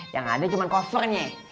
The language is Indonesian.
yang ada cuma covernya